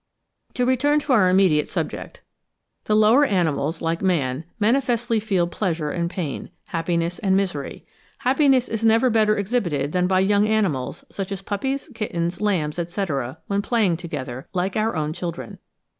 To return to our immediate subject: the lower animals, like man, manifestly feel pleasure and pain, happiness and misery. Happiness is never better exhibited than by young animals, such as puppies, kittens, lambs, etc., when playing together, like our own children.